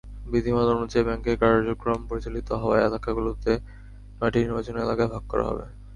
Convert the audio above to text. বিধিমালা অনুযায়ী, ব্যাংকের কার্যক্রম পরিচালিত হওয়া এলাকাগুলোকে নয়টি নির্বাচনী এলাকায় ভাগ করা হবে।